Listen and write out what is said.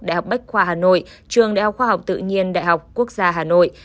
đại học bách khoa hà nội trường đại học khoa học tự nhiên đại học quốc gia hà nội